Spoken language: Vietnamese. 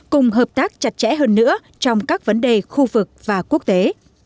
cùng hợp tác chặt chẽ hơn nữa trong các vấn đề khu vực và quốc tế